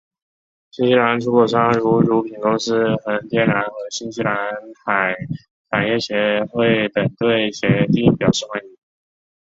新西兰出口商如乳品公司恒天然和新西兰海产业议会等对协定表示欢迎。